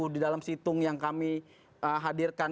di dalam situng yang kami hadirkan